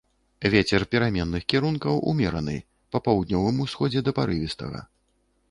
Вецер пераменных кірункаў умераны, па паўднёвым усходзе да парывістага.